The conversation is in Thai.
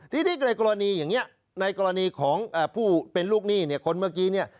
ทีนี้ในกรณีอย่างนี้ในกรณีของผู้เป็นลูกหนี้เนี่ยคนเมื่อกี้เนี่ย